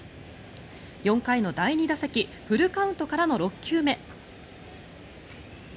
４回の第２打席フルカウントからの６球目。